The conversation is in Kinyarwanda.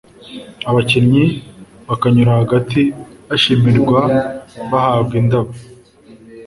abakinnyi bakanyura hagati bashimirwa bahabwa indabo